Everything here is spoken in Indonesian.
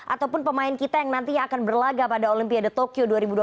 ataupun pemain kita yang nantinya akan berlagak pada olympia de tokyo dua ribu dua puluh satu